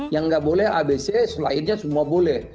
yang nggak boleh abc lainnya semua boleh